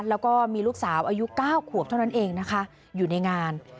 แล้วก็มีลูกสาวอายุ๙ขวบเท่านั้นเองนะคะอยู่ในงาน